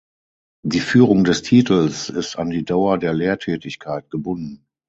Die Führung des Titels ist an die Dauer der Lehrtätigkeit gebunden.